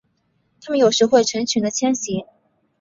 它们有时会成群的迁徙。